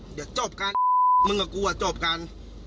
เดี๋ยวจบกันมึงกับกูอ่ะจบกัน